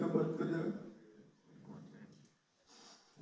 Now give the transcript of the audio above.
bagi mengeluarkan atapan teriak